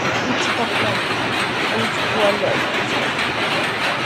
Pichqa puntrawtami akshu allayta ushashun.